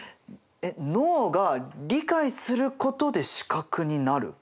えっ脳が理解することで視覚になる？